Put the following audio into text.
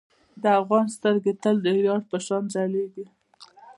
د افغان سترګې تل د ویاړ په شان ځلیږي.